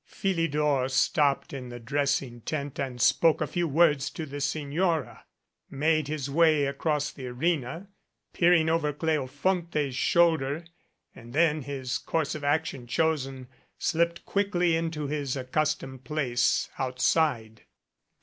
Philidor stopped in the dressing tent and spoke a few words to the Signora, made his way across the arena, peering over Cleofonte's shoulder, and then, his course of action chosen, slipped quickly into his accus tomed place outside.